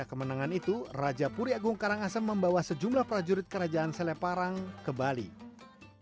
pasca kemenangan itu raja puri agung karangasem yang berkuasa berkuasa mengalahkan kerajaan saleh parang di lombok sekitar tahun seribu enam ratus sembilan puluh satu masehi